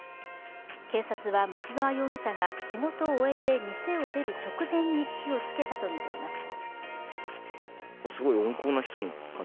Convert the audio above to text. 警察は松沢容疑者が仕事を終えて店を出る直前に火をつけたとみています。